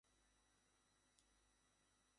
তবে রাতের বেলায় এরা হোম রেঞ্জের মধ্যে চলে আসে।